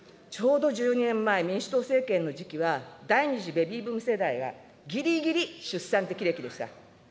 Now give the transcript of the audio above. ちょうど１２年前、民主党政権の時期は、第２次ベビーブーム世代がぎりぎり出産適齢期でした。